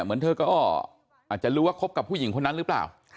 เหมือนเธอก็อาจจะรู้ว่าคบกับผู้หญิงคนนั้นหรือเปล่า